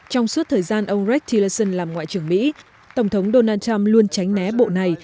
trong suốt thời gian ông rech teleson làm ngoại trưởng mỹ tổng thống donald trump luôn tránh né bộ này